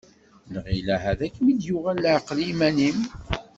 Nɣil ahat ad kem-id-yuɣal leɛqel yiman-im.